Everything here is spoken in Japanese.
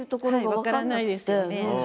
分からないですよね。